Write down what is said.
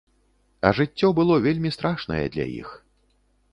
А жыццё было вельмі страшнае для іх.